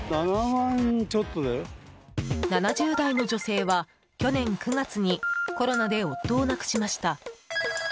７０代の女性は、去年９月にコロナで夫を亡くしました。